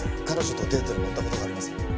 彼女とデートで乗った事があります。